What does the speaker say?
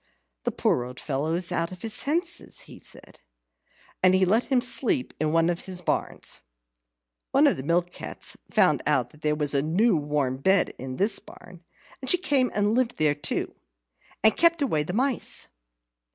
"The poor old fellow is out of his senses," he said. And he let him sleep in one of his barns. One of the mill cats found out that there was a new warm bed in this barn, and she came and lived there too, and kept away the mice.